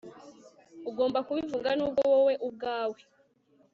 Ugomba kubivuga nubwo wowe ubwawe